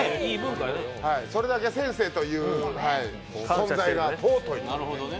それだけ先生という存在が尊い。